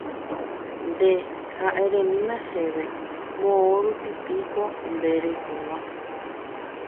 Nde, ha eremína chéve moõrupípiko nde reikóva